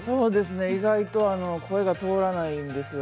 意外と声が通らないんですよ。